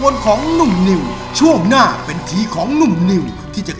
แฟนของเราสิไม่มาหาหลอกให้รอคอยท่าจูบแล้วลาไปเลยนะ